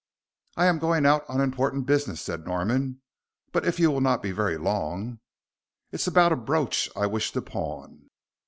"I am going out on important business," said Norman, "but if you will not be very long " "It's about a brooch I wish to pawn."